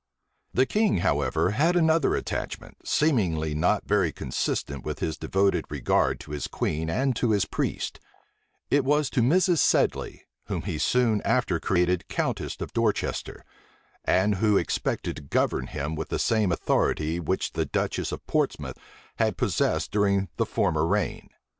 The king, however, had another attachment, seemingly not very consistent with this devoted regard to his queen and to his priests: it was to Mrs. Sedley, whom he soon after created countess of Dorchester, and who expected to govern him with the same authority which the duchess of Portsmouth had possessed during the former reign.